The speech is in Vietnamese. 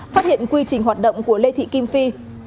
phát hiện quy trình hoạt động của lê thị kim phi